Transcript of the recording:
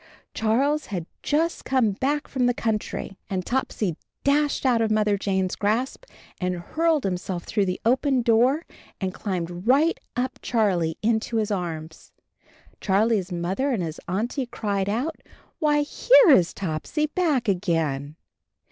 Charles had just come back from the country! And Topsy dashed out of Mother Jane's grasp, and hurled himself through the open door and climbed right up Charlie into his arms. Charlie's Mother and his Auntie cried out, "Why, here is Topsy, back again!"